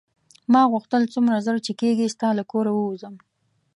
ما غوښتل څومره ژر چې کېږي ستا له کوره ووځم.